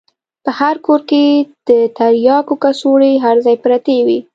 په هر کور کښې د ترياکو کڅوړې هر ځاى پرتې وې.